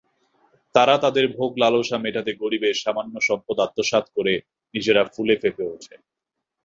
তারা তাদের ভোগ-লালসা মেটাতে গরিবের সামান্য সম্পদ আত্মসাত্ করে নিজেরা ফুলে-ফেঁপে ওঠে।